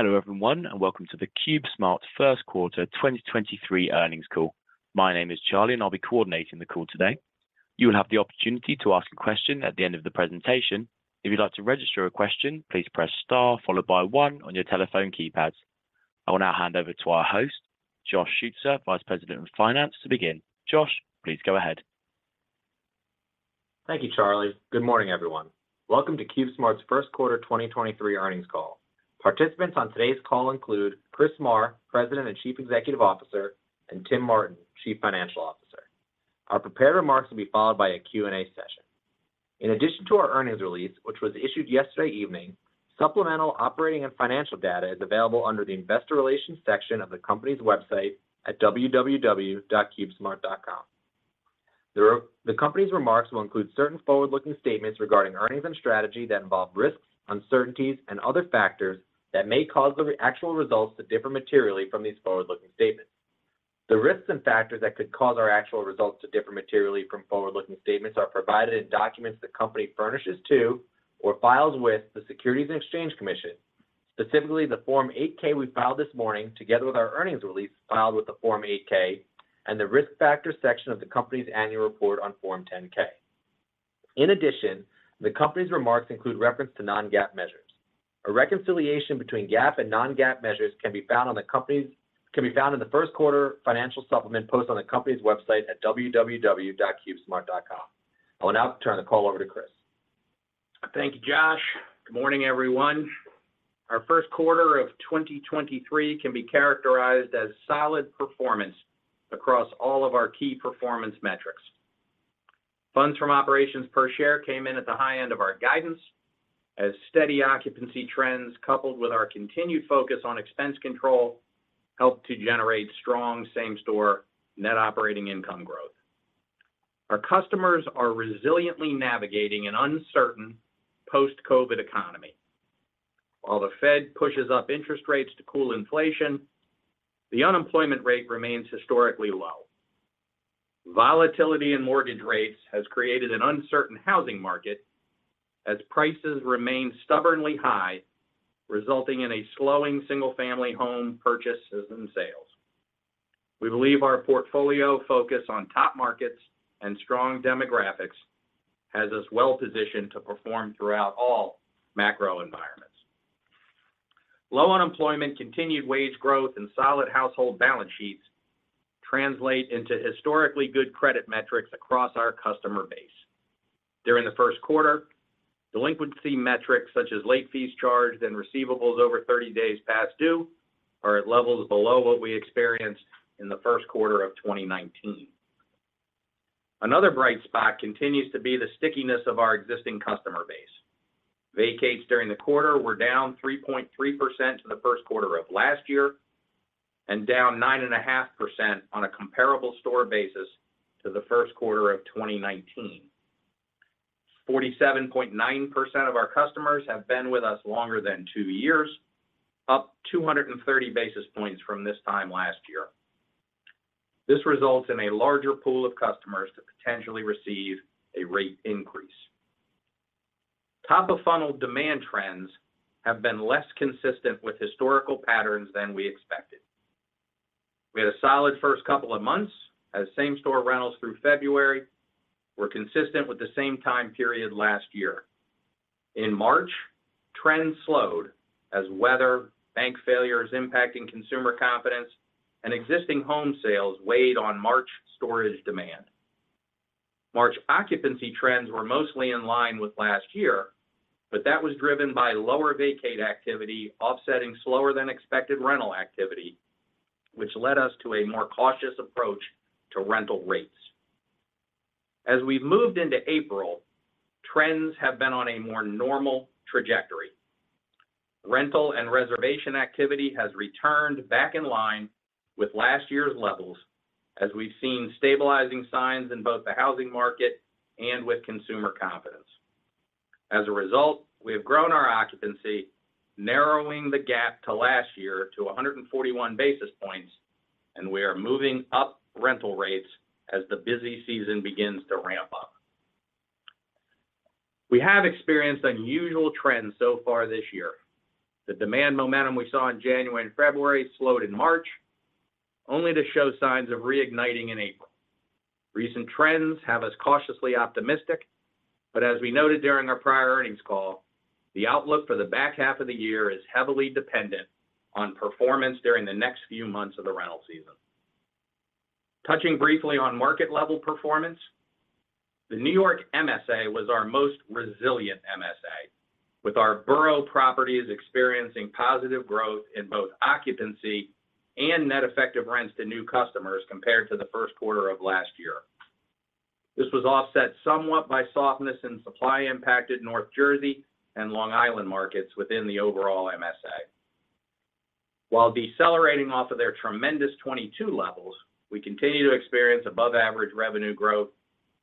Hello, everyone, and welcome to the CubeSmart First Quarter 2023 Earnings Call. My name is Charlie, and I'll be coordinating the call today. You will have the opportunity to ask a question at the end of the presentation. If you'd like to register a question, please press star followed by one on your telephone keypads. I will now hand over to our host, Josh Schutzer, Vice President of Finance, to begin. Josh, please go ahead. Thank you, Charlie. Good morning, everyone. Welcome to CubeSmart's First Quarter 2023 Earnings Call. Participants on today's call include Chris Marr, President and Chief Executive Officer, and Tim Martin, Chief Financial Officer. Our prepared remarks will be followed by a Q&A session. In addition to our earnings release, which was issued yesterday evening, supplemental operating and financial data is available under the Investor Relations section of the company's website at www.cubesmart.com. The company's remarks will include certain forward-looking statements regarding earnings and strategy that involve risks, uncertainties, and other factors that may cause the actual results to differ materially from these forward-looking statements. The risks and factors that could cause our actual results to differ materially from forward-looking statements are provided in documents the company furnishes to or files with the Securities and Exchange Commission. Specifically, the Form 8-K we filed this morning, together with our earnings release filed with the Form 8-K and the Risk Factors section of the company's annual report on Form 10-K. In addition, the company's remarks include reference to non-GAAP measures. A reconciliation between GAAP and non-GAAP measures can be found in the first quarter financial supplement post on the company's website at www.cubesmart.com. I will now turn the call over to Chris. Thank you, Josh. Good morning, everyone. Our first quarter of 2023 can be characterized as solid performance across all of our key performance metrics. Funds from operations per share came in at the high end of our guidance as steady occupancy trends, coupled with our continued focus on expense control, helped to generate strong same-store net operating income growth. Our customers are resiliently navigating an uncertain post-COVID economy. While the Fed pushes up interest rates to cool inflation, the unemployment rate remains historically low. Volatility in mortgage rates has created an uncertain housing market as prices remain stubbornly high, resulting in a slowing single-family home purchases and sales. We believe our portfolio focus on top markets and strong demographics has us well-positioned to perform throughout all macro environments. Low unemployment, continued wage growth, and solid household balance sheets translate into historically good credit metrics across our customer base. During the first quarter, delinquency metrics such as late fees charged and receivables over 30 days past due are at levels below what we experienced in the first quarter of 2019. Another bright spot continues to be the stickiness of our existing customer base. Vacates during the quarter were down 3.3% to the first quarter of last year and down 9.5% on a comparable store basis to the first quarter of 2019. 47.9% of our customers have been with us longer than two years, up 230 basis points from this time last year. This results in a larger pool of customers to potentially receive a rate increase. Top-of-funnel demand trends have been less consistent with historical patterns than we expected. We had a solid first couple of months as same-store rentals through February were consistent with the same time period last year. In March, trends slowed as weather, bank failures impacting consumer confidence, and existing home sales weighed on March storage demand. March occupancy trends were mostly in line with last year, but that was driven by lower vacate activity offsetting slower than expected rental activity, which led us to a more cautious approach to rental rates. As we've moved into April, trends have been on a more normal trajectory. Rental and reservation activity has returned back in line with last year's levels as we've seen stabilizing signs in both the housing market and with consumer confidence. As a result, we have grown our occupancy, narrowing the gap to last year to 141 basis points, and we are moving up rental rates as the busy season begins to ramp up. We have experienced unusual trends so far this year. The demand momentum we saw in January and February slowed in March, only to show signs of reigniting in April. Recent trends have us cautiously optimistic, but as we noted during our prior earnings call, the outlook for the back half of the year is heavily dependent on performance during the next few months of the rental season. Touching briefly on market level performance, the New York MSA was our most resilient MSA, with our borough properties experiencing positive growth in both occupancy and net effective rents to new customers compared to the first quarter of last year. This was offset somewhat by softness in supply-impacted North Jersey and Long Island markets within the overall MSA. While decelerating off of their tremendous 2022 levels, we continue to experience above average revenue growth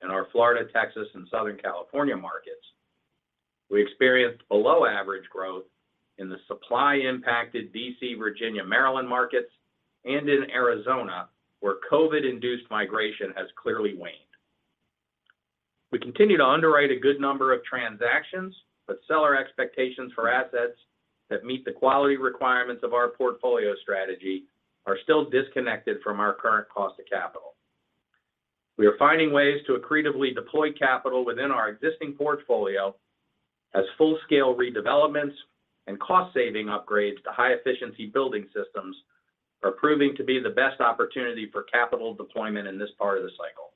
in our Florida, Texas, and Southern California markets. We experienced below average growth in the supply impacted D.C., Virginia, Maryland markets and in Arizona, where COVID induced migration has clearly waned. We continue to underwrite a good number of transactions, but seller expectations for assets that meet the quality requirements of our portfolio strategy are still disconnected from our current cost of capital. We are finding ways to accretively deploy capital within our existing portfolio as full-scale redevelopments and cost-saving upgrades to high-efficiency building systems are proving to be the best opportunity for capital deployment in this part of the cycle.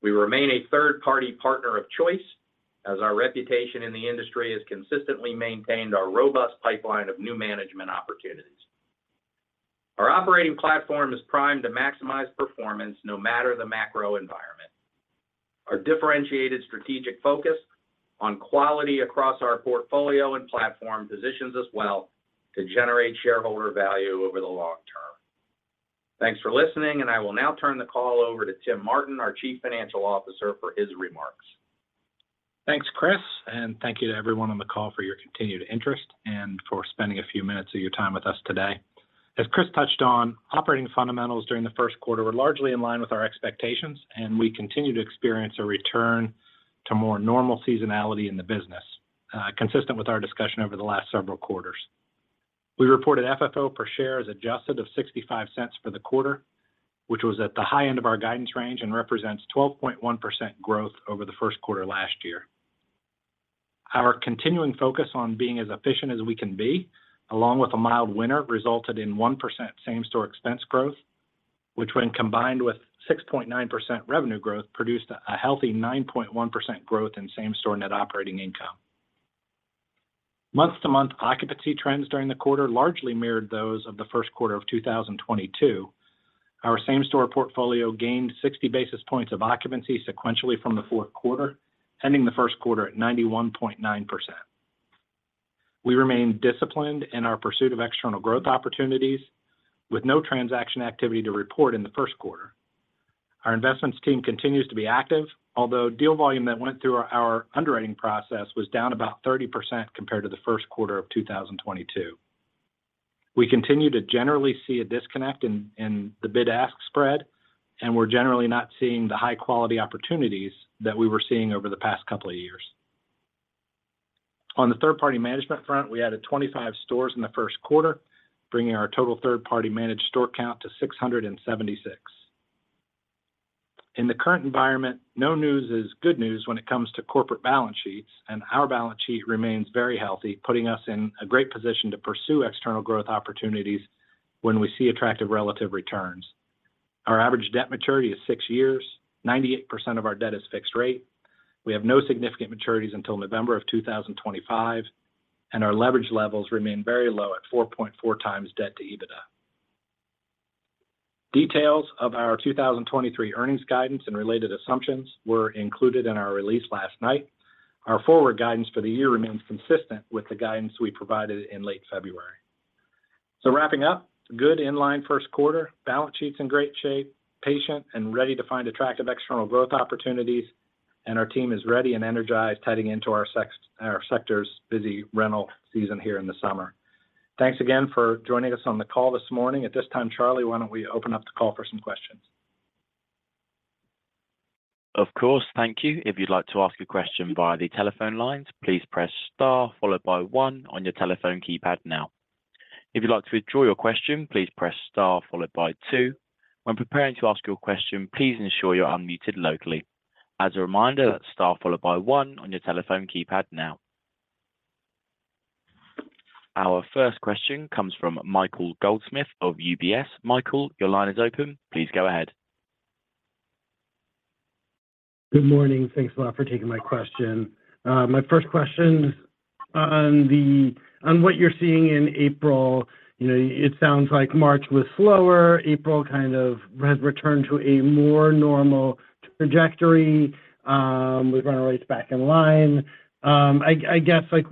We remain a third-party partner of choice as our reputation in the industry has consistently maintained our robust pipeline of new management opportunities. Our operating platform is primed to maximize performance no matter the macro environment. Our differentiated strategic focus on quality across our portfolio and platform positions us well to generate shareholder value over the long term. Thanks for listening, and I will now turn the call over to Tim Martin, our Chief Financial Officer, for his remarks. Thanks, Chris, and thank you to everyone on the call for your continued interest and for spending a few minutes of your time with us today. As Chris touched on, operating fundamentals during the first quarter were largely in line with our expectations, and we continue to experience a return to more normal seasonality in the business, consistent with our discussion over the last several quarters. We reported FFO per share as adjusted of $0.65 for the quarter, which was at the high end of our guidance range and represents 12.1% growth over the first quarter last year. Our continuing focus on being as efficient as we can be, along with a mild winter, resulted in 1% same-store expense growth, which when combined with 6.9% revenue growth, produced a healthy 9.1% growth in same-store net operating income. Month to month occupancy trends during the quarter largely mirrored those of the first quarter of 2022. Our same-store portfolio gained 60 basis points of occupancy sequentially from the fourth quarter, ending the first quarter at 91.9%. We remain disciplined in our pursuit of external growth opportunities with no transaction activity to report in the first quarter. Our investments team continues to be active, although deal volume that went through our underwriting process was down about 30% compared to the first quarter of 2022. We continue to generally see a disconnect in the bid-ask spread, and we're generally not seeing the high-quality opportunities that we were seeing over the past couple of years. On the third-party management front, we added 25 stores in the first quarter, bringing our total third-party managed store count to 676. In the current environment, no news is good news when it comes to corporate balance sheets. Our balance sheet remains very healthy, putting us in a great position to pursue external growth opportunities when we see attractive relative returns. Our average debt maturity is six years. 98% of our debt is fixed rate. We have no significant maturities until November 2025, and our leverage levels remain very low at 4.4x debt to EBITDA. Details of our 2023 earnings guidance and related assumptions were included in our release last night. Our forward guidance for the year remains consistent with the guidance we provided in late February. Wrapping up, good inline first quarter. Balance sheet's in great shape, patient and ready to find attractive external growth opportunities. Our team is ready and energized heading into our sector's busy rental season here in the summer. Thanks again for joining us on the call this morning. At this time, Charlie, why don't we open up the call for some questions? Of course. Thank you. If you'd like to ask a question via the telephone lines, please press star followed by one on your telephone keypad now. If you'd like to withdraw your question, please press star followed by two. When preparing to ask your question, please ensure you're unmuted locally. As a reminder, star followed by one on your telephone keypad now. Our first question comes from Michael Goldsmith of UBS. Michael, your line is open. Please go ahead. Good morning. Thanks a lot for taking my question. My first question on what you're seeing in April. You know, it sounds like March was slower. April kind of has returned to a more normal trajectory, with rental rates back in line. I guess, like,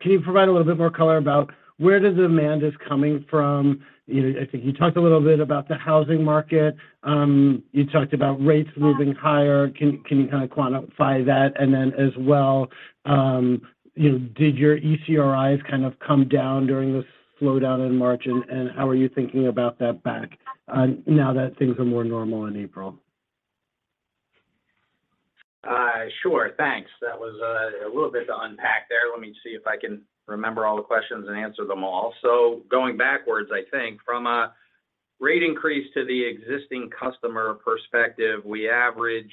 can you provide a little bit more color about where the demand is coming from? You know, I think you talked a little bit about the housing market. You talked about rates moving higher. Can you kind of quantify that? Then as well, you know, did your ECRIs kind of come down during this slowdown in March, and how are you thinking about that back, now that things are more normal in April? Sure. Thanks. That was a little bit to unpack there. Let me see if I can remember all the questions and answer them all. Going backwards, I think from a rate increase to the existing customer perspective, we averaged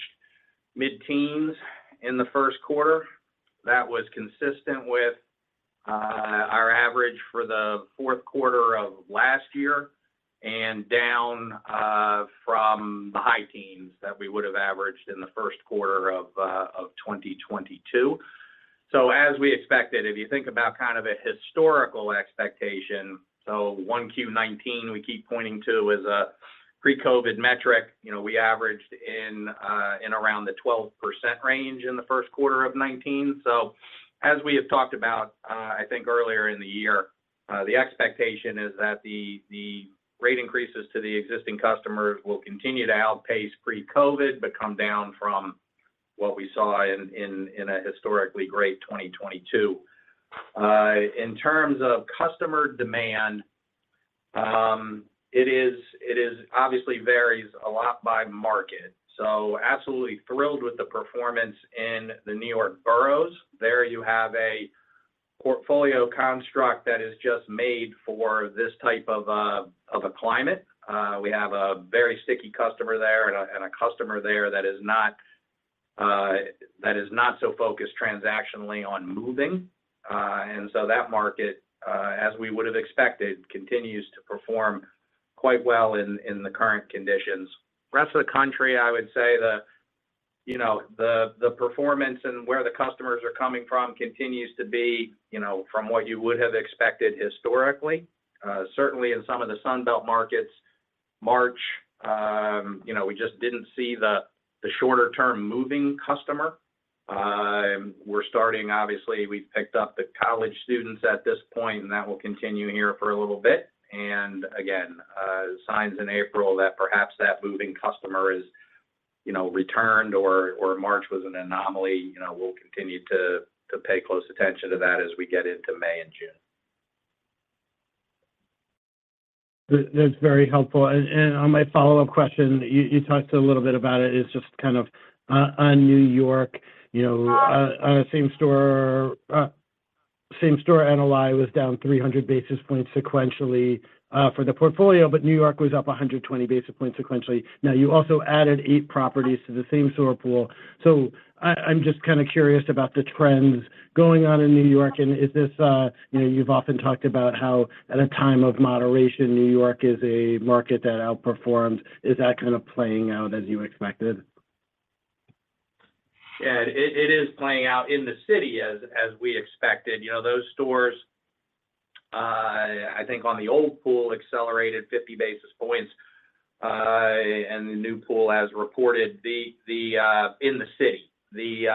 mid-teens in the first quarter. That was consistent with our average for the fourth quarter of last year and down from the high teens that we would have averaged in the first quarter of 2022. As we expected, if you think about kind of a historical expectation, 1Q 2019 we keep pointing to is a pre-COVID metric. You know, we averaged in around the 12% range in the first quarter of 2019. As we have talked about, I think earlier in the year, the expectation is that the rate increases to the existing customers will continue to outpace pre-COVID, but come down from what we saw in a historically great 2022. In terms of customer demand, it is obviously varies a lot by market. Absolutely thrilled with the performance in the New York boroughs. There you have a portfolio construct that is just made for this type of a climate. We have a very sticky customer there and a customer there that is not that is not so focused transactionally on moving. That market as we would have expected, continues to perform quite well in the current conditions. Rest of the country, I would say the, you know, the performance and where the customers are coming from continues to be, you know, from what you would have expected historically. Certainly in some of the Sun Belt markets, March, you know, we just didn't see the shorter-term moving customer. We're starting, obviously, we've picked up the college students at this point, and that will continue here for a little bit. Again, signs in April that perhaps that moving customer is, you know, returned or March was an anomaly. You know, we'll continue to pay close attention to that as we get into May and June. That's very helpful. On my follow-up question, you talked a little bit about it. It's just kind of on New York, you know, same store NOI was down 300 basis points sequentially for the portfolio, but New York was up 120 basis points sequentially. You also added eight properties to the same store pool. I'm just kind of curious about the trends going on in New York. Is this, you know, you've often talked about how at a time of moderation, New York is a market that outperforms. Is that kind of playing out as you expected? Yeah. It, it is playing out in the city as we expected. You know, those stores, I think on the old pool accelerated 50 basis points, and the new pool as reported the, in the city, the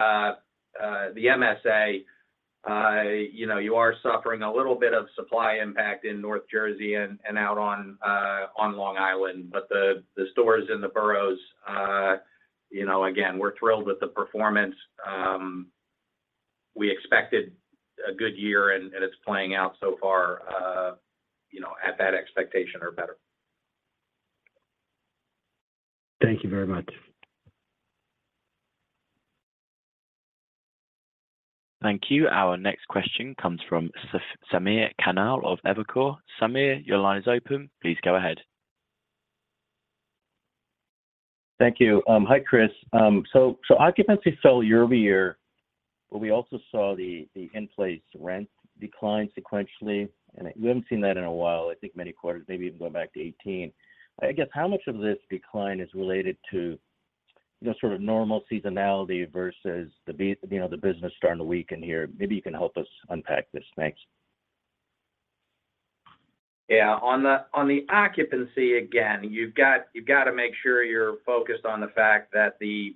MSA, you know, you are suffering a little bit of supply impact in North Jersey and out on Long Island. The, the stores in the boroughs, you know, again, we're thrilled with the performance. We expected a good year, and it's playing out so far, you know, at that expectation or better. Thank you very much. Thank you. Our next question comes from Samir Khanal of Evercore. Samir, your line is open. Please go ahead. Thank you. Hi, Chris. So occupancy fell year-over-year, but we also saw the in-place rent decline sequentially. We haven't seen that in a while, I think many quarters, maybe even going back to 2018. I guess how much of this decline is related to the sort of normal seasonality versus you know, the business starting to weaken here? Maybe you can help us unpack this. Thanks. On the occupancy, again, you've got to make sure you're focused on the fact that the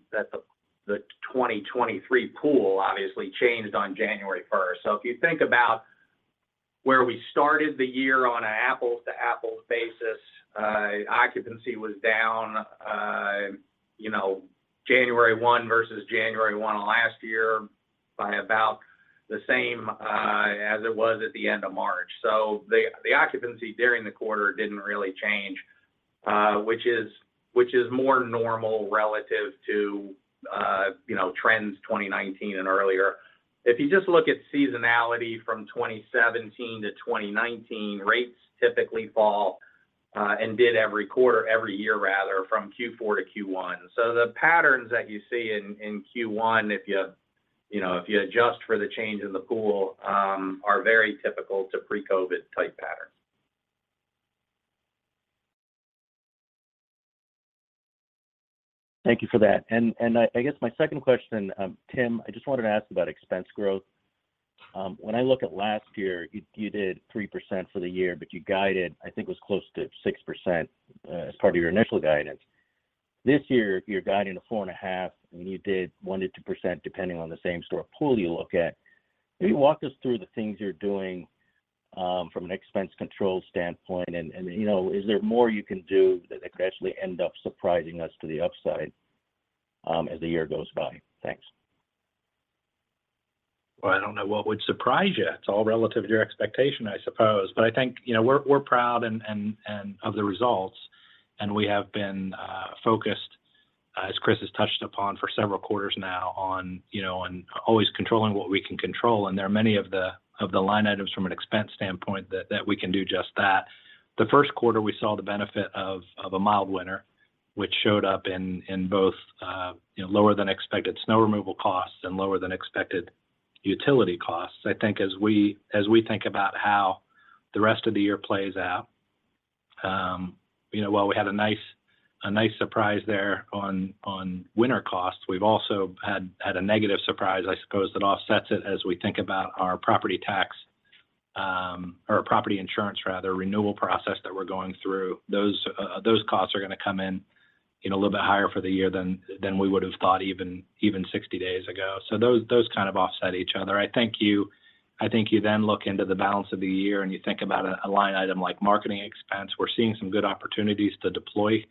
2023 pool obviously changed on 1 January. If you think about where we started the year on an apples-to-apples basis, occupancy was down, you know, 1 January versus 1 January of last year by about the same as it was at the end of March. The occupancy during the quarter didn't really change, which is more normal relative to, you know, trends 2019 and earlier. If you just look at seasonality from 2017 to 2019, rates typically fall, and did every quarter, every year rather, from Q4 to Q1. The patterns that you see in Q1, if you know, if you adjust for the change in the pool, are very typical to pre-COVID type patterns. Thank you for that. I guess my second question, Tim, I just wanted to ask about expense growth. When I look at last year, you did 3% for the year, but you guided, I think it was close to 6%, as part of your initial guidance. This year, you're guiding to 4.5%, and you did 1%-2% depending on the same store pool you look at. Can you walk us through the things you're doing, from an expense control standpoint? You know, is there more you can do that could actually end up surprising us to the upside, as the year goes by? Thanks. I don't know what would surprise you. It's all relative to your expectation, I suppose. I think, you know, we're proud and of the results, and we have been focused as Chris has touched upon for several quarters now on always controlling what we can control. There are many of the line items from an expense standpoint that we can do just that. The first quarter, we saw the benefit of a mild winter, which showed up in both, you know, lower than expected snow removal costs and lower than expected utility costs. I think as we think about how the rest of the year plays out, you know, while we had a nice surprise there on winter costs, we've also had a negative surprise, I suppose, that offsets it as we think about our property tax, or our property insurance rather, renewal process that we're going through. Those costs are gonna come in, you know, a little bit higher for the year than we would have thought even 60 days ago. Those kind of offset each other. I think you then look into the balance of the year, and you think about a line item like marketing expense. We're seeing some good opportunities to deploy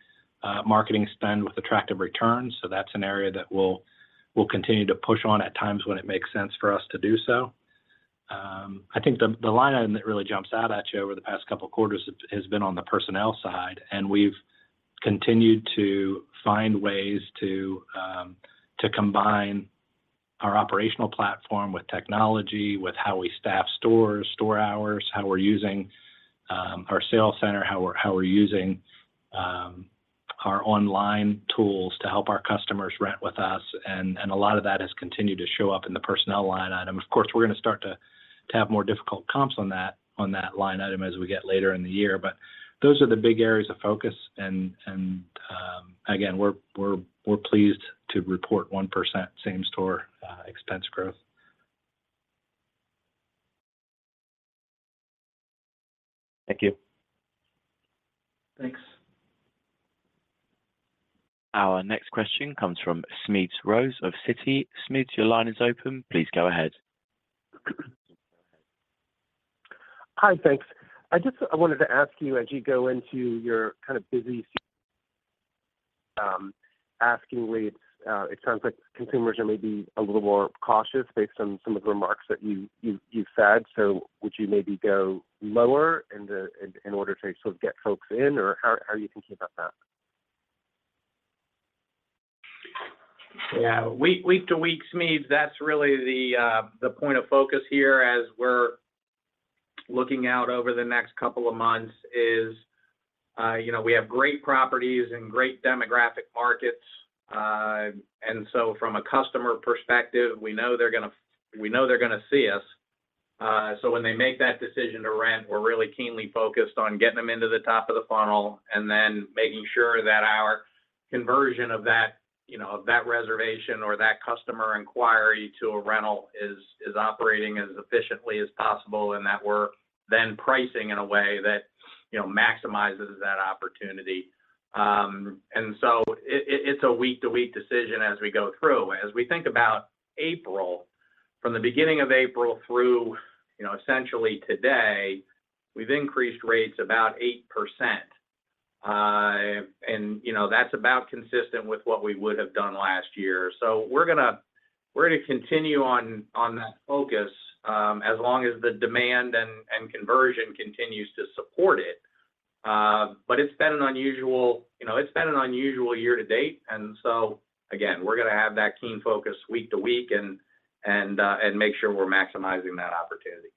marketing spend with attractive returns. That's an area that we'll continue to push on at times when it makes sense for us to do so. I think the line item that really jumps out at you over the past couple quarters has been on the personnel side, and we've continued to find ways to combine our operational platform with technology, with how we staff stores, store hours, how we're using our sales center, how we're using our online tools to help our customers rent with us. And a lot of that has continued to show up in the personnel line item. Of course, we're gonna start to have more difficult comps on that line item as we get later in the year. But those are the big areas of focus and again, we're pleased to report 1% same-store expense growth. Thank you. Thanks. Our next question comes from Smedes Rose of Citi. Smedes, your line is open. Please go ahead. Hi. Thanks. I just, I wanted to ask you, as you go into your kind of busy asking rates, it sounds like consumers are maybe a little more cautious based on some of the remarks that you've said. Would you maybe go lower in order to sort of get folks in? How are you thinking about that? Yeah. Week to week, Smedes, that's really the point of focus here as we're looking out over the next couple of months is, you know, we have great properties and great demographic markets. From a customer perspective, we know they're gonna see us. When they make that decision to rent, we're really keenly focused on getting them into the top of the funnel and then making sure that our conversion of that, you know, of that reservation or that customer inquiry to a rental is operating as efficiently as possible and that we're then pricing in a way that, you know, maximizes that opportunity. It's a week-to-week decision as we go through. As we think about April, from the beginning of April through, you know, essentially today, we've increased rates about 8%. You know, that's about consistent with what we would have done last year. We're gonna continue on that focus as long as the demand and conversion continues to support it. It's been an unusual, you know, it's been an unusual year to date. Again, we're gonna have that keen focus week to week and make sure we're maximizing that opportunity.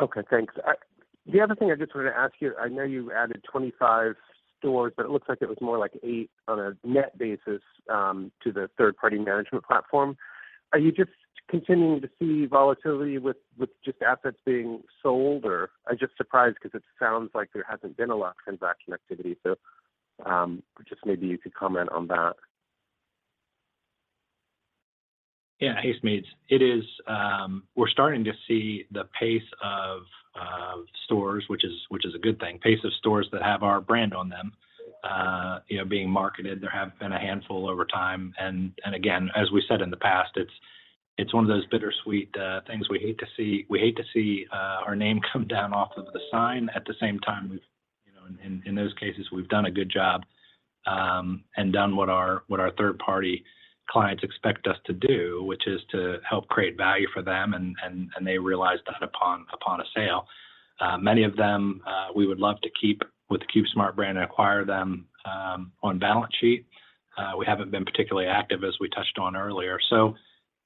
Okay, thanks. The other thing I just wanted to ask you, I know you added 25 stores, but it looks like it was more like eight on a net basis to the third-party management platform. Are you just continuing to see volatility with just assets being sold? I'm just surprised because it sounds like there hasn't been a lot of transaction activity. Just maybe you could comment on that. Yeah. Hey, Smedes. It is. We're starting to see the pace of stores, which is a good thing, pace of stores that have our brand on them, you know, being marketed. There have been a handful over time. Again, as we said in the past, it's one of those bittersweet things. We hate to see our name come down off of the sign. At the same time, we've, you know, in those cases, we've done a good job and done what our third-party clients expect us to do, which is to help create value for them. They realize that upon a sale. Many of them, we would love to keep with the CubeSmart brand and acquire them on balance sheet. We haven't been particularly active, as we touched on earlier.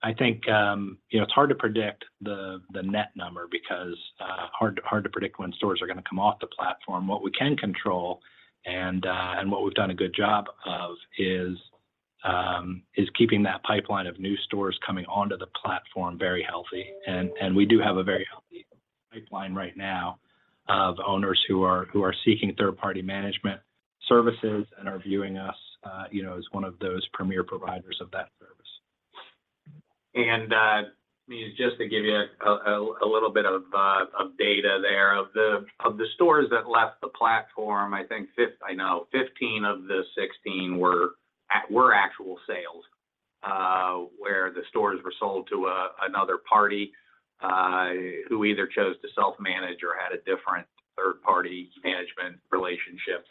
I think, you know, it's hard to predict the net number because, hard to predict when stores are gonna come off the platform. What we can control and what we've done a good job of is keeping that pipeline of new stores coming onto the platform very healthy. We do have a very healthy pipeline right now of owners who are seeking third-party management services and are viewing us, you know, as one of those premier providers of that service. I mean, just to give you a little bit of data there, of the stores that left the platform, I know 15 of the 16 were actual sales, where the stores were sold to another party, who either chose to self-manage or had a different third-party management relationship.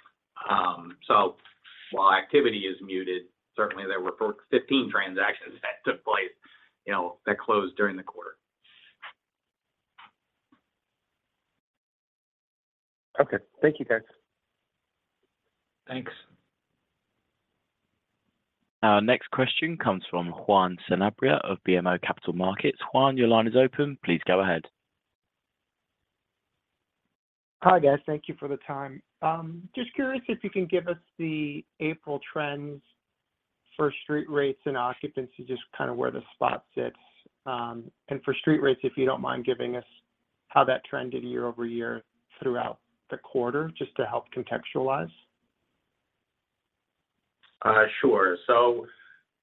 While activity is muted, certainly there were 15 transactions that took place, you know, that closed during the quarter. Okay. Thank you, guys. Thanks. Our next question comes from Juan Sanabria of BMO Capital Markets. Juan, your line is open. Please go ahead. Hi, guys. Thank you for the time. Just curious if you can give us the April trends for street rates and occupancy, just kind of where the spot sits. For street rates, if you don't mind giving us how that trended year-over-year throughout the quarter, just to help contextualize. Sure.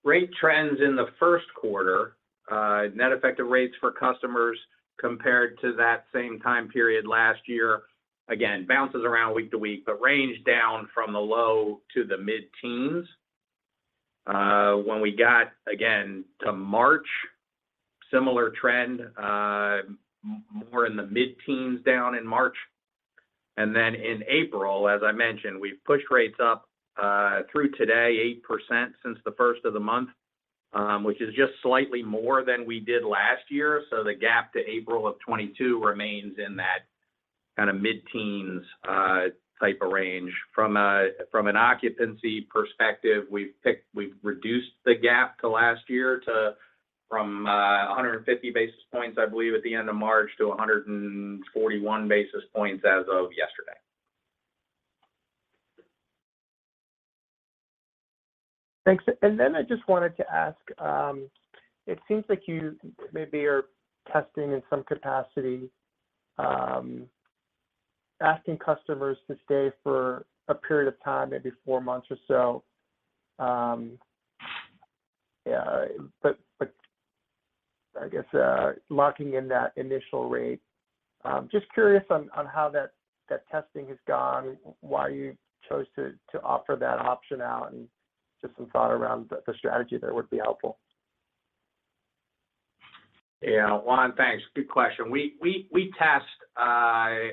Rate trends in the first quarter, net effective rates for customers compared to that same time period last year, again, bounces around week to week, but range down from the low to the mid-teens. When we got, again, to March, similar trend, more in the mid-teens down in March. In April, as I mentioned, we've pushed rates up through today 8% since the first of the month, which is just slightly more than we did last year. The gap to April of 2022 remains in that kind of mid-teens type of range. From an occupancy perspective, we've reduced the gap to last year to from 150 basis points, I believe, at the end of March to 141 basis points as of yesterday. Thanks. I just wanted to ask, it seems like you maybe are testing in some capacity, asking customers to stay for a period of time, maybe four months or so, but I guess, locking in that initial rate. Just curious on how that testing has gone, why you chose to offer that option out, and just some thought around the strategy there would be helpful. Yeah. Juan, thanks. Good question. We test a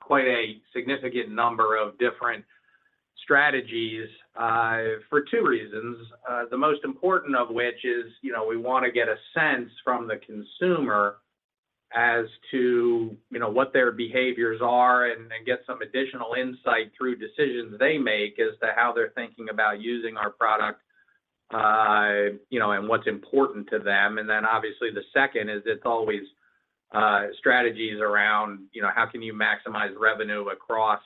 quite significant number of different strategies for two reasons. The most important of which is, you know, we wanna get a sense from the consumer as to, you know, what their behaviors are and get some additional insight through decisions they make as to how they're thinking about using our product, you know, and what's important to them. Then obviously the second is it's always strategies around, you know, how can you maximize revenue across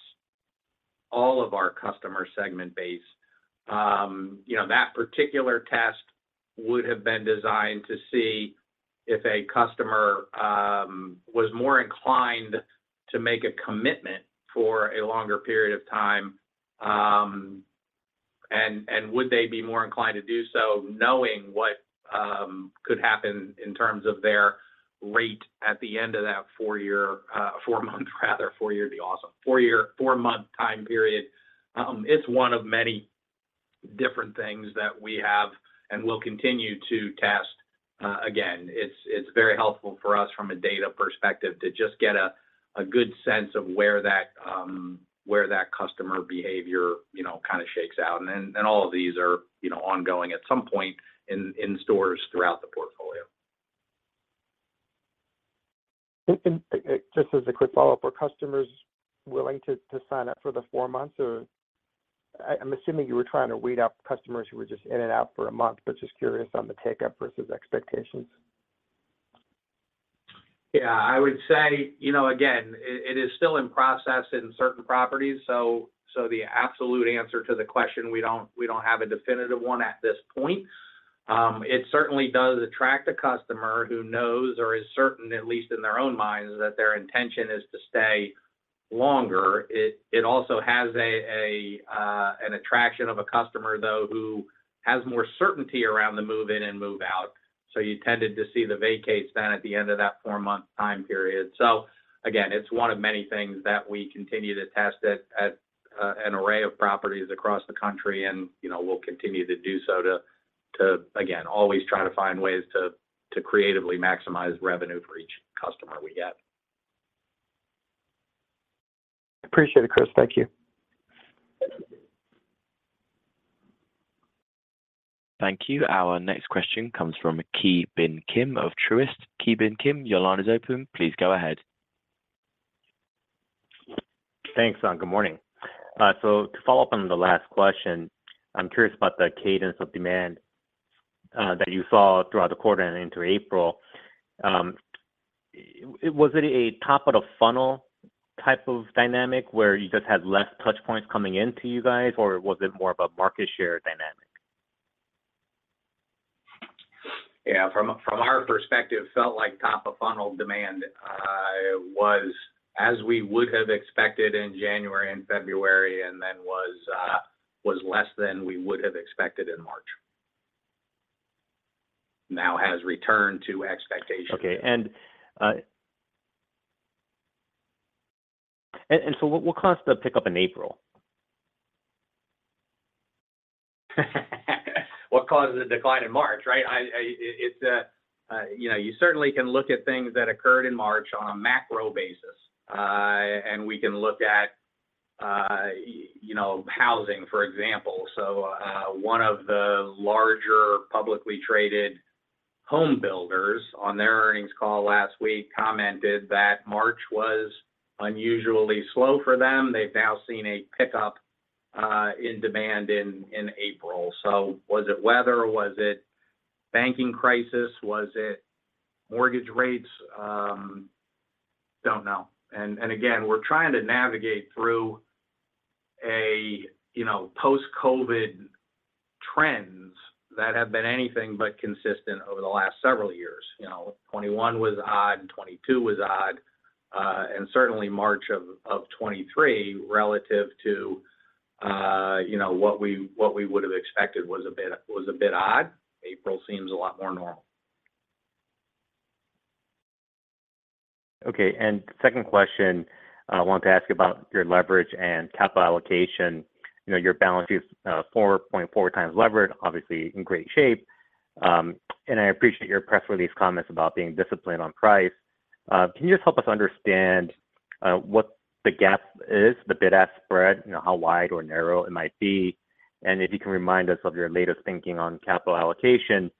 all of our customer segment base. You know, that particular test would have been designed to see if a customer was more inclined to make a commitment for a longer period of time, and would they be more inclined to do so knowing what could happen in terms of their rate at the end of that four year, four month rather. Four year would be awesome. Four year, four-month time period. It's one of many different things that we have and will continue to test. Again, it's very helpful for us from a data perspective to just get a good sense of where that customer behavior, you know, kind of shakes out. All of these are, you know, ongoing at some point in stores throughout the portfolio. Just as a quick follow-up, were customers willing to sign up for the four months, or I'm assuming you were trying to weed out customers who were just in and out for a month, but just curious on the take-up versus expectations. I would say, you know, again, it is still in process in certain properties, so the absolute answer to the question, we don't have a definitive one at this point. It certainly does attract a customer who knows or is certain, at least in their own minds, that their intention is to stay longer. It also has an attraction of a customer though who has more certainty around the move in and move out. You tended to see the vacates then at the end of that four-month time period. Again, it's one of many things that we continue to test at an array of properties across the country and, you know, we'll continue to do so to again, always try to find ways to creatively maximize revenue for each customer we get. Appreciate it, Chris. Thank you. Thank you. Our next question comes from Ki Bin Kim of Truist. Ki Bin Kim, your line is open. Please go ahead. Thanks, good morning. To follow up on the last question, I'm curious about the cadence of demand that you saw throughout the quarter and into April. Was it a top of the funnel type of dynamic where you just had less touch points coming into you guys, or was it more of a market share dynamic? Yeah. From our perspective, felt like top of funnel demand, was as we would have expected in January and February, and then was less than we would have expected in March. Has returned to expectation. What caused the pickup in April? What caused the decline in March, right? I. It's, you know, you certainly can look at things that occurred in March on a macro basis. And we can look at, you know, housing, for example. One of the larger publicly traded home builders on their earnings call last week commented that March was unusually slow for them. They've now seen a pickup in demand in April. Was it weather? Was it banking crisis? Was it mortgage rates? Don't know. Again, we're trying to navigate through a, you know, post-COVID trends that have been anything but consistent over the last several years. You know, 2021 was odd, 2022 was odd, and certainly March of 2023 relative to, you know, what we would have expected was a bit odd. April seems a lot more normal. Okay. Second question, I want to ask about your leverage and capital allocation. You know, your balance sheet is 4.4 times levered, obviously in great shape. I appreciate your press release comments about being disciplined on price. Can you just help us understand what the gap is, the bid-ask spread, you know, how wide or narrow it might be? If you can remind us of your latest thinking on capital allocation,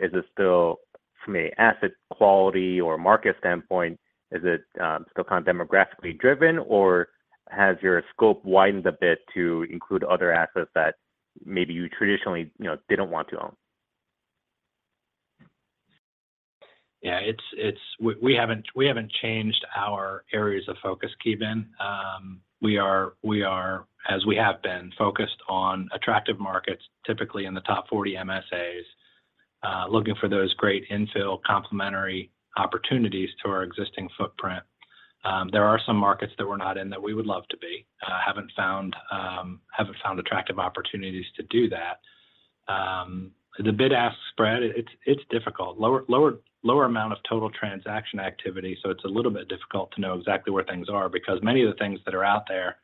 is it still from a asset quality or market standpoint, is it still kind of demographically driven, or has your scope widened a bit to include other assets that maybe you traditionally, you know, didn't want to own? Yeah, We haven't changed our areas of focus, Kevin. We are, as we have been, focused on attractive markets, typically in the top 40 MSAs, looking for those great infill complementary opportunities to our existing footprint. There are some markets that we're not in that we would love to be. Haven't found attractive opportunities to do that. The bid-ask spread, it's difficult. Lower amount of total transaction activity, so it's a little bit difficult to know exactly where things are because many of the things that are out there,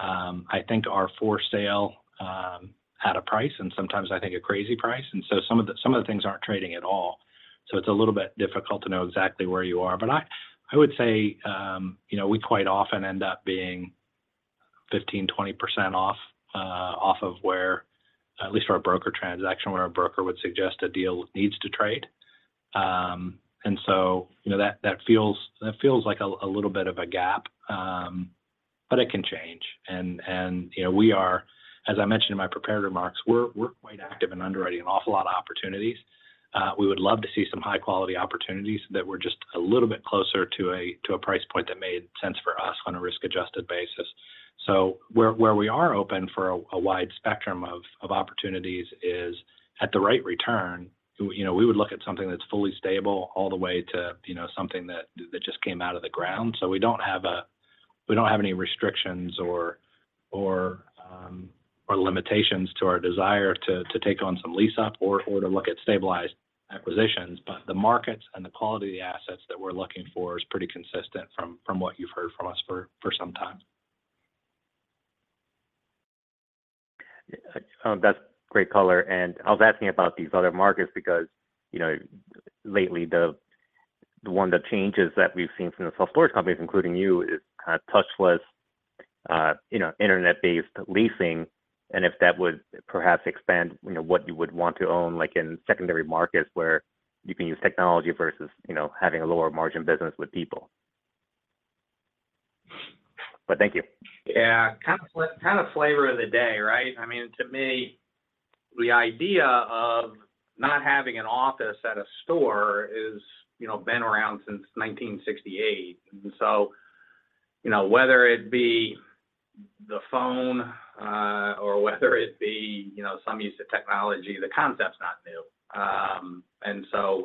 I think are for sale at a price and sometimes I think a crazy price. Some of the things aren't trading at all, so it's a little bit difficult to know exactly where you are. I would say, you know, we quite often end up being 15%, 20% off of where at least our broker transaction, where our broker would suggest a deal needs to trade. You know, that feels like a little bit of a gap, but it can change. You know, we are, as I mentioned in my prepared remarks, we're quite active in underwriting an awful lot of opportunities. We would love to see some high-quality opportunities that were just a little bit closer to a price point that made sense for us on a risk-adjusted basis. Where we are open for a wide spectrum of opportunities is at the right return. You know, we would look at something that's fully stable all the way to, you know, something that just came out of the ground. We don't have any restrictions or limitations to our desire to take on some lease up or to look at stabilized acquisitions. The markets and the quality of the assets that we're looking for is pretty consistent from what you've heard from us for some time. Yeah. That's great color. I was asking about these other markets because, you know, lately the changes that we've seen from the self-storage companies, including you, is kind of touchless, you know, internet-based leasing, and if that would perhaps expand, you know, what you would want to own, like in secondary markets where you can use technology versus, you know, having a lower margin business with people. Thank you. Yeah. Kind of flavor of the day, right? I mean, to me, the idea of not having an office at a store is, you know, been around since 1968. You know, whether it be the phone, or whether it be, you know, some use of technology, the concept's not new.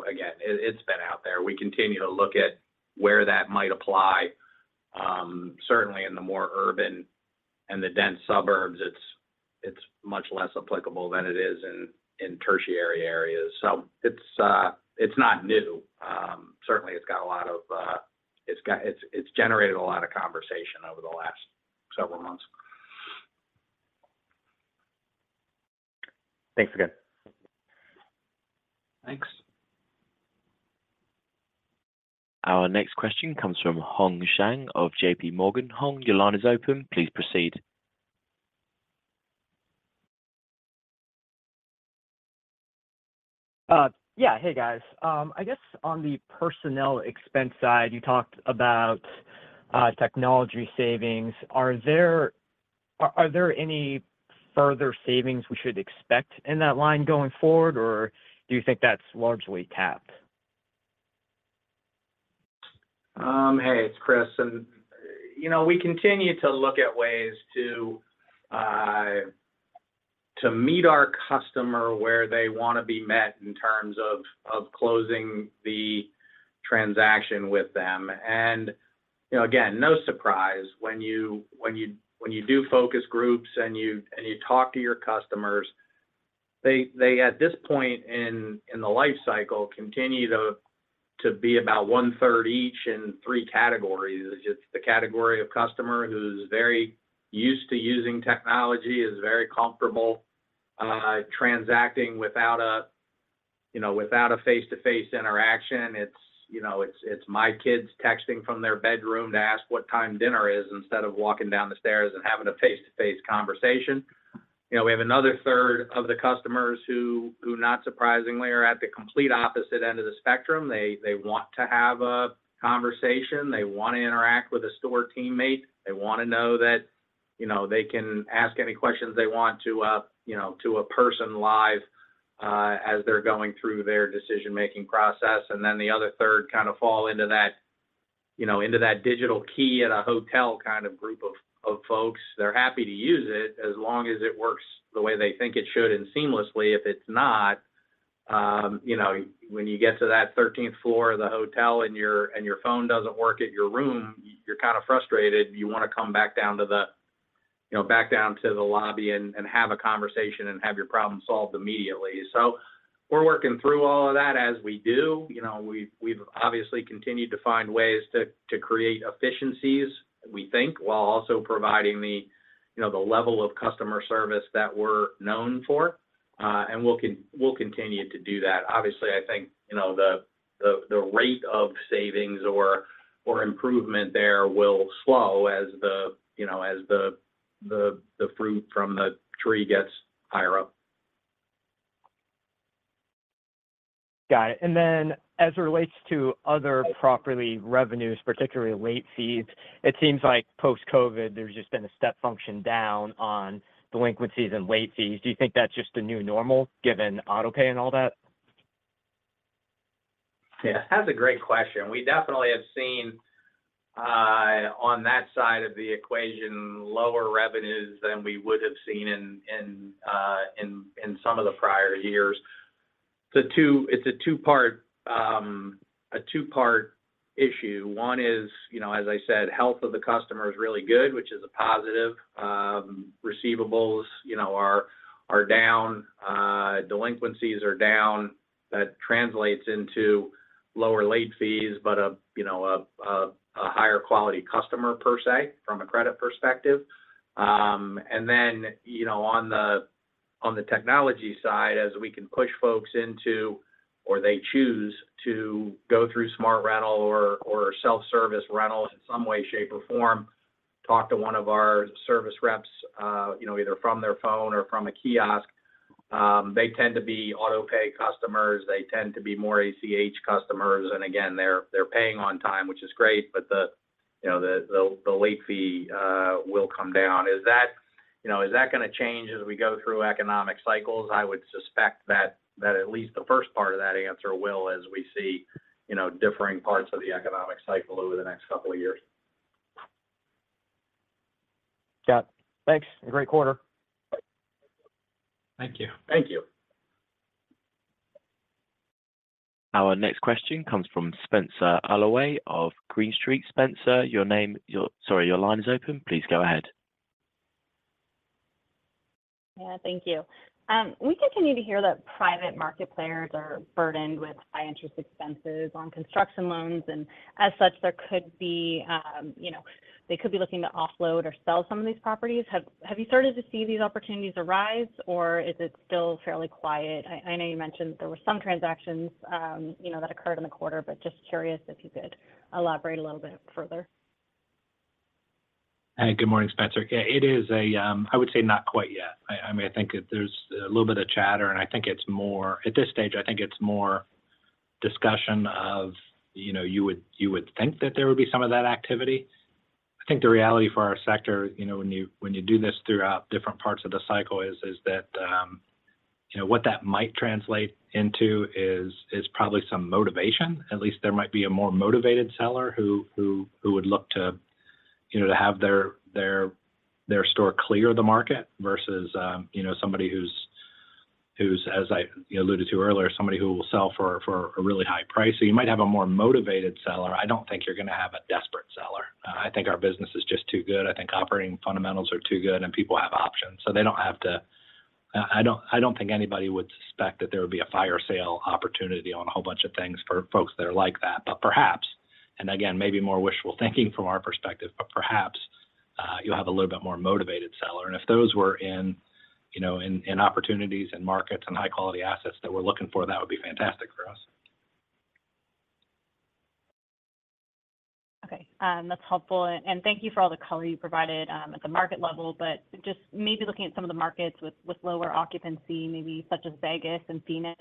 Again, it's been out there. We continue to look at where that might apply. Certainly in the more urban and the dense suburbs, it's much less applicable than it is in tertiary areas. It's, it's not new. Certainly, it's generated a lot of conversation over the last several months. Thanks again. Thanks. Our next question comes from Hong Zhang of JPMorgan. Hong, your line is open. Please proceed. Yeah. Hey, guys. I guess on the personnel expense side, you talked about technology savings. Are there any further savings we should expect in that line going forward, or do you think that's largely tapped? Hey, it's Chris. You know, we continue to look at ways to meet our customer where they wanna be met in terms of closing the transaction with them. You know, again, no surprise, when you do focus groups and you talk to your customers, they at this point in the life cycle, continue to be about one-third each in three categories. It's just the category of customer who's very used to using technology, is very comfortable transacting without a face-to-face interaction. It's, you know, it's my kids texting from their bedroom to ask what time dinner is instead of walking down the stairs and having a face-to-face conversation. You know, we have another third of the customers who, not surprisingly, are at the complete opposite end of the spectrum. They want to have a conversation. They wanna interact with a store teammate. They wanna know that, you know, they can ask any questions they want to a, you know, to a person live as they're going through their decision-making process. The other third kind of fall into that, you know, into that digital key at a hotel kind of group of folks. They're happy to use it as long as it works the way they think it should and seamlessly. If it's not, you know, when you get to that 13th floor of the hotel and your phone doesn't work at your room, you're kind of frustrated. You wanna come back down to the, you know, back down to the lobby and have a conversation and have your problem solved immediately. We're working through all of that as we do. You know, we've obviously continued to find ways to create efficiencies, we think, while also providing the, you know, the level of customer service that we're known for. We'll continue to do that. Obviously, I think, you know, the rate of savings or improvement there will slow as the, you know, as the fruit from the tree gets higher up. Got it. Then as it relates to other property revenues, particularly late fees, it seems like post-COVID, there's just been a step function down on delinquencies and late fees. Do you think that's just the new normal given AutoPay and all that? Yeah. That's a great question. We definitely have seen on that side of the equation, lower revenues than we would have seen in some of the prior years. It's a two-part, a two-part issue. One is, you know, as I said, health of the customer is really good, which is a positive. Receivables, you know, are down. Delinquencies are down. That translates into lower late fees, but a, you know, a higher quality customer per se from a credit perspective. You know, on the technology side, as we can push folks into or they choose to go through SmartRental or self-service rentals in some way, shape, or form, talk to one of our service reps, you know, either from their phone or from a kiosk, they tend to be AutoPay customers. They tend to be more ACH customers. Again, they're paying on time, which is great, but you know, the late fee will come down. Is that, you know, is that gonna change as we go through economic cycles? I would suspect that at least the first part of that answer will, as we see, you know, differing parts of the economic cycle over the next couple of years. Got it. Thanks. A great quarter. Thank you. Thank you. Our next question comes from Spenser Allaway of Green Street. Spenser, Sorry, your line is open. Please go ahead. Yeah, thank you. We continue to hear that private market players are burdened with high interest expenses on construction loans, and as such, there could be, you know, they could be looking to offload or sell some of these properties. Have you started to see these opportunities arise, or is it still fairly quiet? I know you mentioned there were some transactions, you know, that occurred in the quarter, but just curious if you could elaborate a little bit further. Good morning, Spenser. It is, I would say not quite yet. I mean, I think there's a little bit of chatter. At this stage, I think it's more discussion of, you know, you would think that there would be some of that activity. I think the reality for our sector, you know, when you do this throughout different parts of the cycle is that, you know, what that might translate into is probably some motivation. At least there might be a more motivated seller who would look to, you know, to have their store clear the market versus, you know, somebody who's, as I alluded to earlier, somebody who will sell for a really high price. You might have a more motivated seller. I don't think you're gonna have a desperate seller. I think our business is just too good. I think operating fundamentals are too good, and people have options, so they don't have to, I don't think anybody would suspect that there would be a fire sale opportunity on a whole bunch of things for folks that are like that. Perhaps, and again, maybe more wishful thinking from our perspective, but perhaps you'll have a little bit more motivated seller. If those were in, you know, in opportunities and markets and high quality assets that we're looking for, that would be fantastic for us. Okay. That's helpful. Thank you for all the color you provided at the market level. Just maybe looking at some of the markets with lower occupancy, maybe such as Vegas and Phoenix.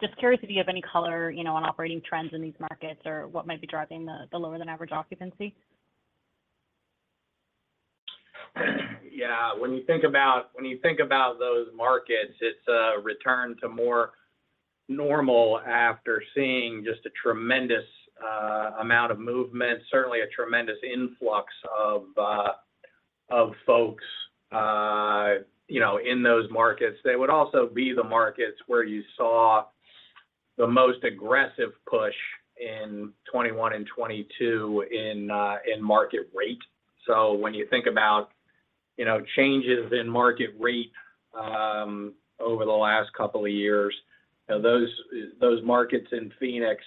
Just curious if you have any color, you know, on operating trends in these markets or what might be driving the lower than average occupancy. Yeah. When you think about those markets, it's a return to more normal after seeing just a tremendous amount of movement, certainly a tremendous influx of folks, you know, in those markets. They would also be the markets where you saw the most aggressive push in 2021 and 2022 in market rate. When you think about, you know, changes in market rate over the last couple of years, you know, those markets in Phoenix,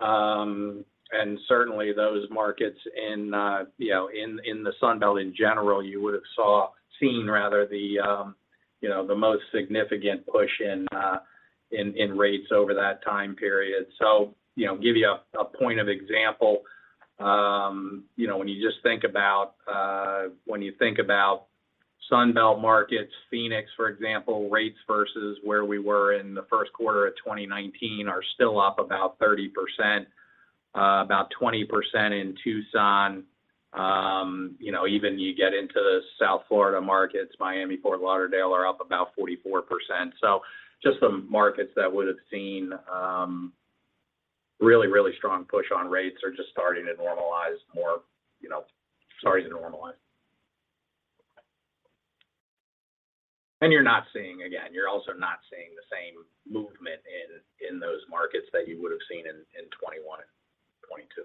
and certainly those markets in, you know, in the Sun Belt in general, you would have seen rather the, you know, the most significant push in rates over that time period. You know, give you a point of example. You know, when you just think about, when you think about Sun Belt markets, Phoenix, for example, rates versus where we were in the first quarter of 2019 are still up about 30%, about 20% in Tucson. You know, even you get into South Florida markets, Miami, Fort Lauderdale are up about 44%. Just some markets that would have seen really strong push on rates are just starting to normalize more, you know, starting to normalize. You're not seeing, again, you're also not seeing the same movement in those markets that you would have seen in 2021 and 2022.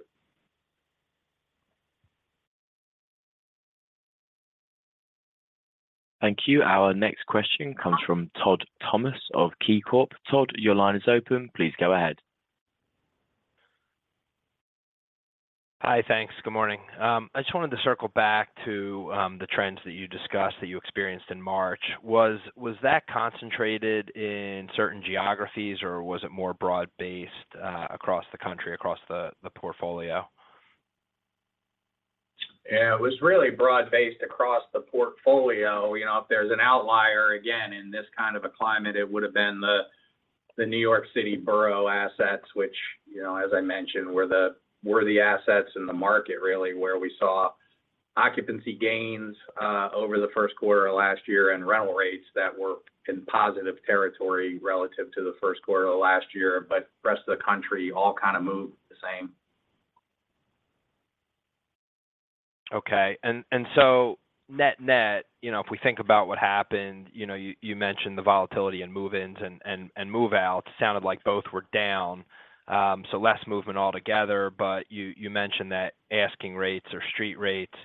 Thank you. Our next question comes from Todd Thomas of KeyCorp. Todd, your line is open. Please go ahead. Hi, thanks. Good morning. I just wanted to circle back to the trends that you discussed that you experienced in March. Was that concentrated in certain geographies, or was it more broad-based across the country, across the portfolio? Yeah. It was really broad-based across the portfolio. You know, if there's an outlier, again, in this kind of a climate, it would have been the New York City borough assets, which, you know, as I mentioned, were the assets in the market really where we saw occupancy gains over the first quarter of last year and rental rates that were in positive territory relative to the first quarter of last year. The rest of the country all kind of moved the same. Okay. net-net, you know, if we think about what happened, you know, you mentioned the volatility in move-ins and move-outs. Sounded like both were down, so less movement altogether. you mentioned that asking rates or street rates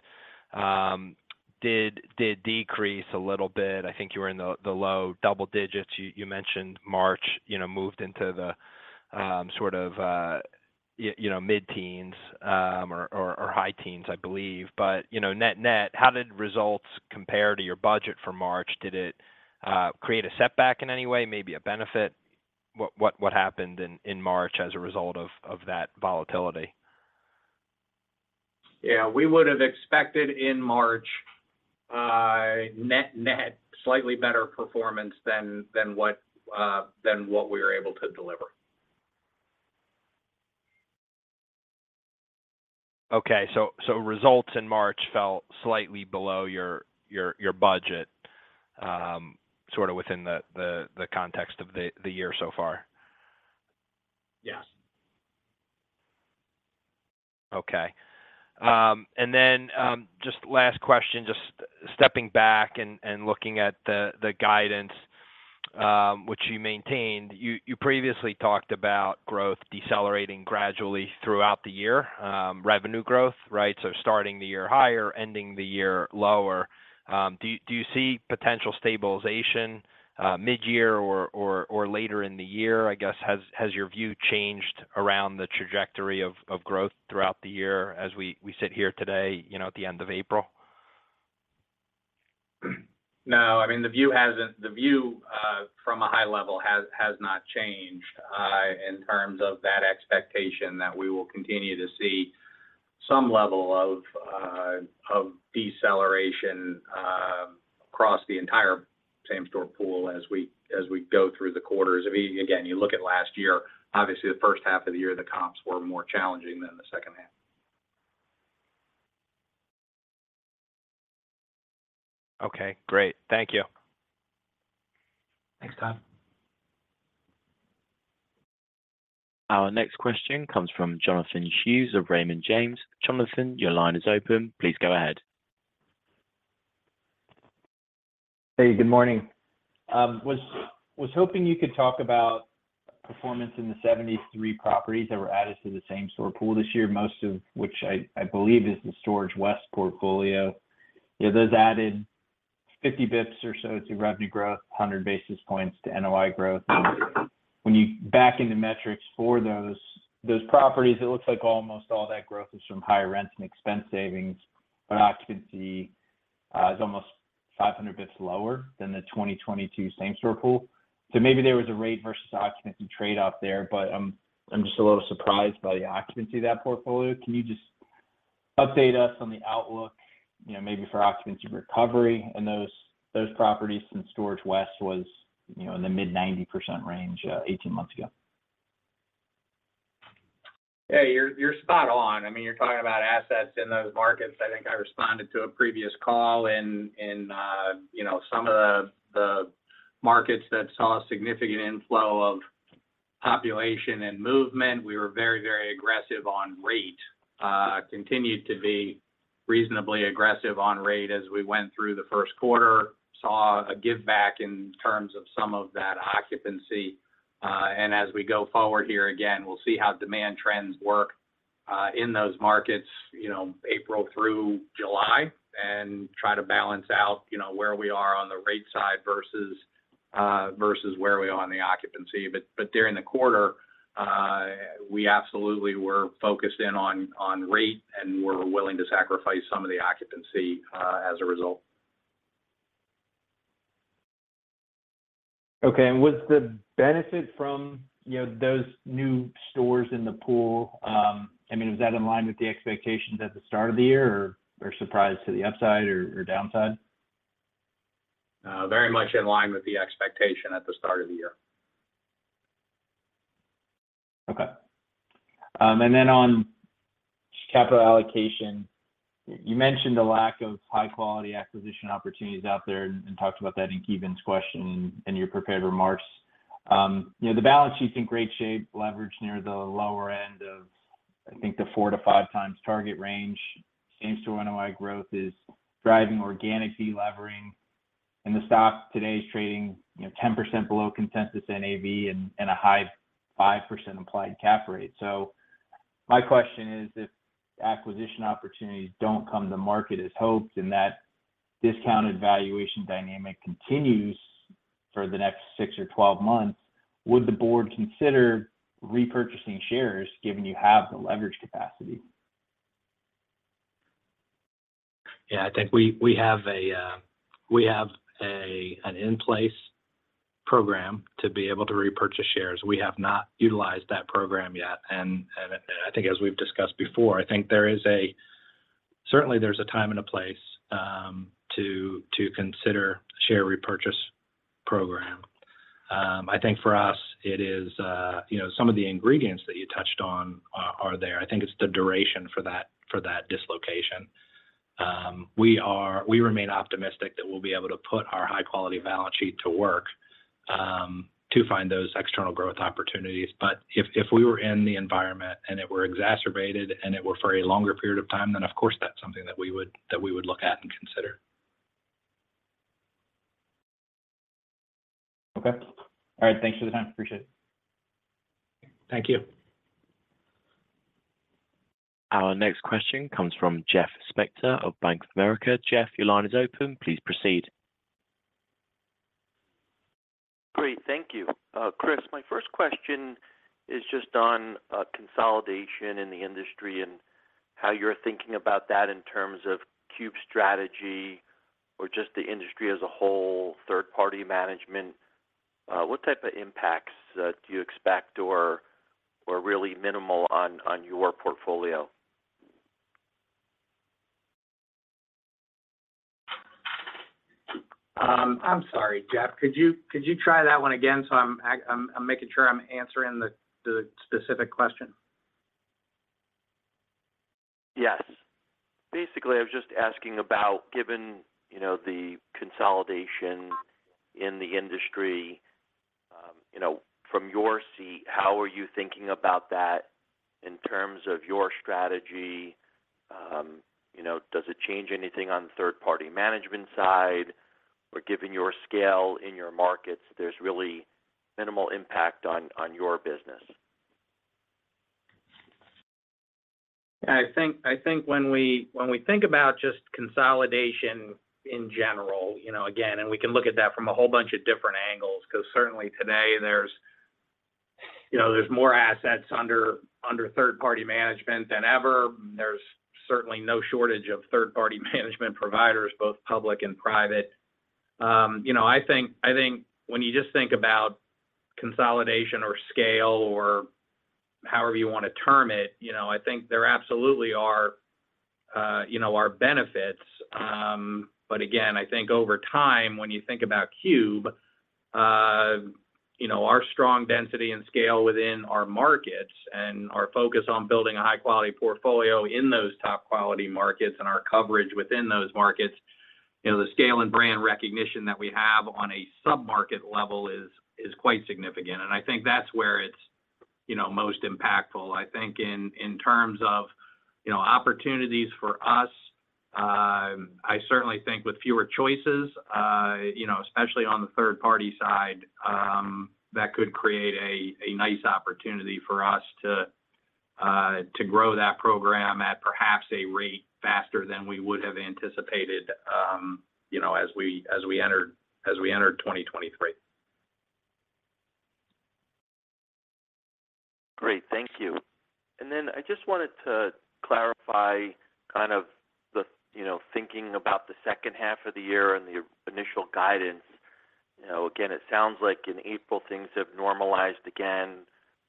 did decrease a little bit. I think you were in the low double digits. You mentioned March, you know, moved into the sort of, you know, mid-teens or high teens, I believe. you know, net-net, how did results compare to your budget for March? Did it create a setback in any way? Maybe a benefit? What happened in March as a result of that volatility? We would have expected in March, net-net slightly better performance than what, than what we were able to deliver. Okay. Results in March fell slightly below your budget, sort of within the context of the year so far. Yes. Okay. Just last question, just stepping back and looking at the guidance, which you maintained. You previously talked about growth decelerating gradually throughout the year, revenue growth, right? Starting the year higher, ending the year lower. Do you see potential stabilization midyear or later in the year? I guess, has your view changed around the trajectory of growth throughout the year as we sit here today, you know, at the end of April? No. I mean, the view from a high level has not changed in terms of that expectation that we will continue to see some level of deceleration across the entire same-store pool as we go through the quarters. I mean, again, you look at last year, obviously, the first half of the year, the comps were more challenging than the second half. Okay. Great. Thank you. Thanks, Todd. Our next question comes from Jonathan Hughes of Raymond James. Jonathan, your line is open. Please go ahead. Hey, good morning. Was hoping you could talk about performance in the 73 properties that were added to the same-store pool this year, most of which I believe is the Storage West portfolio. You know, those added 50 basis points or so to revenue growth, 100 basis points to NOI growth. When you back in the metrics for those properties, it looks like almost all that growth is from higher rents and expense savings, but occupancy is almost 500 basis points lower than the 2022 same-store pool. Maybe there was a rate versus occupancy trade off there, but I'm just a little surprised by the occupancy of that portfolio. Can you just update us on the outlook, you know, maybe for occupancy recovery in those properties since Storage West was in the mid-90% range 18 months ago? Yeah. You're spot on. I mean, you're talking about assets in those markets. I think I responded to a previous call in, you know, some of the markets that saw a significant inflow of population and movement. We were very, very aggressive on rate, continued to be reasonably aggressive on rate as we went through the first quarter. Saw a giveback in terms of some of that occupancy. As we go forward here, again, we'll see how demand trends work in those markets, you know, April through July and try to balance out, you know, where we are on the rate side versus where we are on the occupancy. During the quarter, we absolutely were focused in on rate, and we're willing to sacrifice some of the occupancy as a result. Okay. Was the benefit from, you know, those new stores in the pool, I mean, was that in line with the expectations at the start of the year or a surprise to the upside or downside? Very much in line with the expectation at the start of the year. Okay. Then on capital allocation, you mentioned the lack of high-quality acquisition opportunities out there and talked about that in Kevin's question in your prepared remarks. You know, the balance sheet's in great shape, leverage near the lower end of, I think, the 4 to 5 times target range. Same-store NOI growth is driving organic de-levering, and the stock today is trading, you know, 10% below consensus NAV and a high 5% implied cap rate. My question is, if acquisition opportunities don't come to market as hoped and that discounted valuation dynamic continues? For the next six or twelve months, would the board consider repurchasing shares given you have the leverage capacity? Yeah, I think we have an in-place program to be able to repurchase shares. We have not utilized that program yet. I think as we've discussed before, I think there is certainly a time and a place to consider share repurchase program. I think for us it is, you know, some of the ingredients that you touched on are there. I think it's the duration for that dislocation. We remain optimistic that we'll be able to put our high-quality balance sheet to work to find those external growth opportunities. If we were in the environment and it were exacerbated and it were for a longer period of time, then of course, that's something that we would look at and consider. Okay. All right, thanks for the time. Appreciate it. Thank you. Our next question comes from Jeff Spector of Bank of America. Jeff, your line is open. Please proceed. Great. Thank you. Chris, my first question is just on consolidation in the industry and how you're thinking about that in terms of Cube strategy or just the industry as a whole, third-party management. What type of impacts do you expect or are really minimal on your portfolio? I'm sorry, Jeff. Could you try that one again so I'm making sure I'm answering the specific question? Yes. Basically, I was just asking about given, you know, the consolidation in the industry, you know, from your seat, how are you thinking about that in terms of your strategy? You know, does it change anything on third-party management side? Or given your scale in your markets, there's really minimal impact on your business? I think when we think about just consolidation in general, you know, again, we can look at that from a whole bunch of different angles, because certainly today there's, you know, more assets under third-party management than ever. There's certainly no shortage of third-party management providers, both public and private. You know, I think when you just think about consolidation or scale or however you wanna term it, you know, I think there absolutely are, you know, benefits. Again, I think over time, when you think about Cube, you know, our strong density and scale within our markets and our focus on building a high-quality portfolio in those top-quality markets and our coverage within those markets, you know, the scale and brand recognition that we have on a sub-market level is quite significant. I think that's where it's, you know, most impactful. I think in terms of, you know, opportunities for us, I certainly think with fewer choices, you know, especially on the third party side, that could create a nice opportunity for us to grow that program at perhaps a rate faster than we would have anticipated, you know, as we entered 2023. Great. Thank you. Then I just wanted to clarify kind of the, you know, thinking about the second half of the year and the initial guidance. You know, again, it sounds like in April, things have normalized again.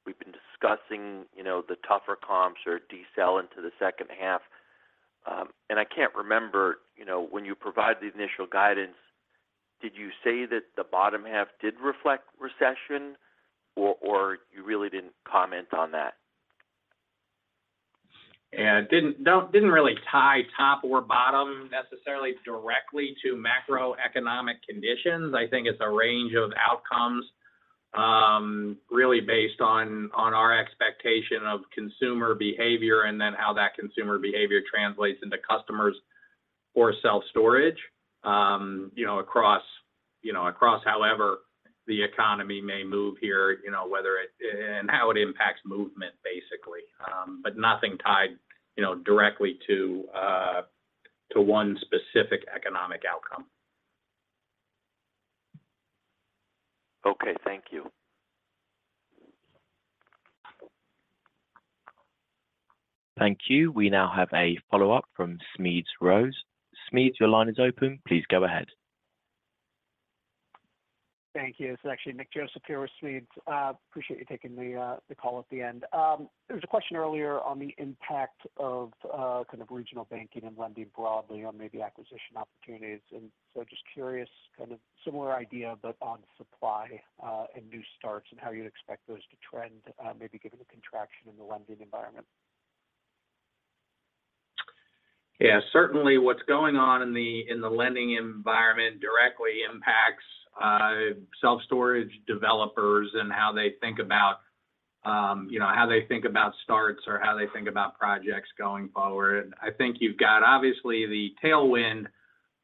We've been discussing, you know, the tougher comps or decel into the second half. I can't remember, you know, when you provide the initial guidance, did you say that the bottom half did reflect recession or you really didn't comment on that? No, didn't really tie top or bottom necessarily directly to macroeconomic conditions. I think it's a range of outcomes, really based on our expectation of consumer behavior and then how that consumer behavior translates into customers or self-storage, you know, across, you know, across however the economy may move here, and how it impacts movement, basically. Nothing tied, you know, directly to one specific economic outcome. Okay, thank you. Thank you. We now have a follow-up from Smedes Rose. Smedes, your line is open. Please go ahead. Thank you. This is actually Nick Joseph here with Smedes. Appreciate you taking the call at the end. There was a question earlier on the impact of kind of regional banking and lending broadly on maybe acquisition opportunities. Just curious, kind of similar idea, but on supply, and new starts and how you'd expect those to trend, maybe given the contraction in the lending environment. Certainly what's going on in the lending environment directly impacts self-storage developers and how they think about, you know, how they think about starts or how they think about projects going forward. I think you've got obviously the tailwind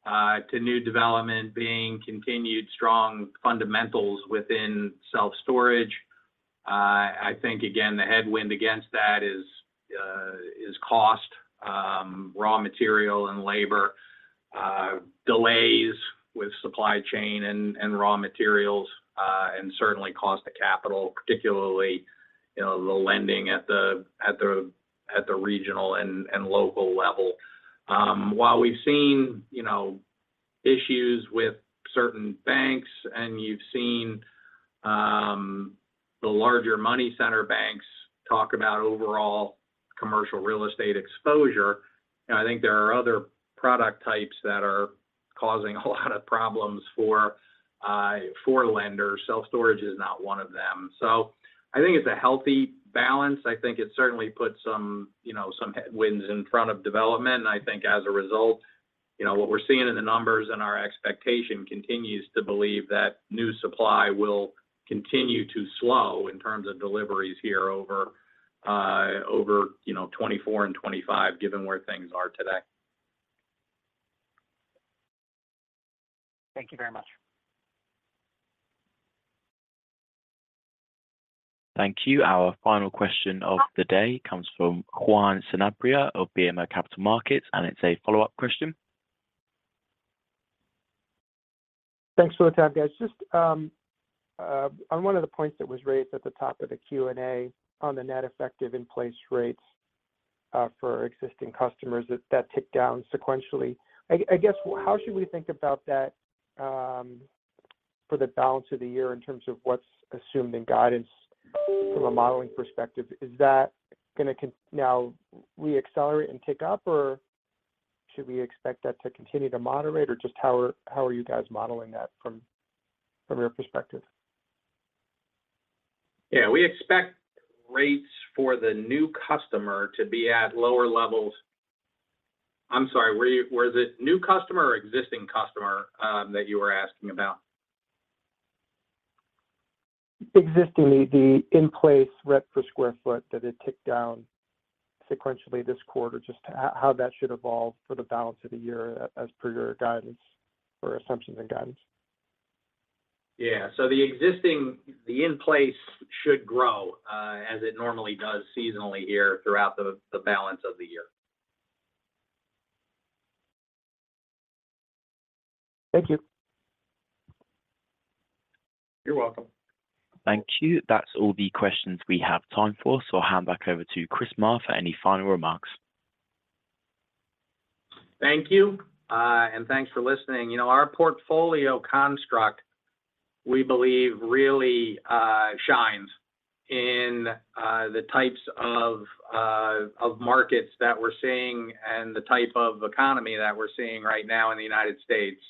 to new development being continued strong fundamentals within self-storage. I think again, the headwind against that is cost, raw material and labor, delays with supply chain and raw materials, and certainly cost of capital, particularly, you know, the lending at the regional and local level. While we've seen, you know, issues with certain banks and you've seen the larger money center banks talk about overall commercial real estate exposure, I think there are other product types that are causing a lot of problems for lenders. Self-storage is not one of them. I think it's a healthy balance. I think it certainly puts some, you know, some headwinds in front of development. I think as a result, you know, what we're seeing in the numbers and our expectation continues to believe that new supply will continue to slow in terms of deliveries here over, you know, 24 and 25, given where things are today. Thank you very much. Thank you. Our final question of the day comes from Juan Sanabria of BMO Capital Markets. It's a follow-up question. Thanks for the time, guys. Just on one of the points that was raised at the top of the Q&A on the net effective in-place rates for existing customers that ticked down sequentially, I guess how should we think about that for the balance of the year in terms of what's assumed in guidance from a modeling perspective? Is that gonna now re-accelerate and tick up, or should we expect that to continue to moderate, or just how are you guys modeling that from your perspective? Yeah. We expect rates for the new customer to be at lower levels. I'm sorry, Was it new customer or existing customer that you were asking about? Existing. The in-place rent per square foot that had ticked down sequentially this quarter, just how that should evolve for the balance of the year as per your guidance or assumptions and guidance? Yeah. The existing, the in-place should grow, as it normally does seasonally here throughout the balance of the year. Thank you. You're welcome. Thank you. That's all the questions we have time for. I'll hand back over to Chris Marr for any final remarks. Thank you. Thanks for listening. You know, our portfolio construct, we believe, really shines in the types of markets that we're seeing and the type of economy that we're seeing right now in the United States.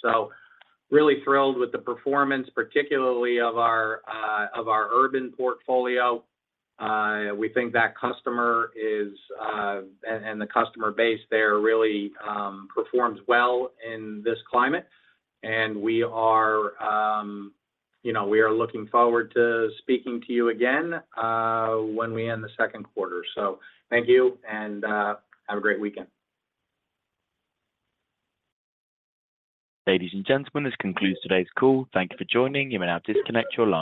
Really thrilled with the performance, particularly of our urban portfolio. We think that customer is and the customer base there really performs well in this climate, we are, you know, we are looking forward to speaking to you again when we end the second quarter. Thank you and have a great weekend. Ladies and gentlemen, this concludes today's call. Thank you for joining. You may now disconnect your line.